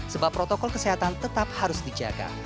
sebab protokol kesehatan tetap harus dijaga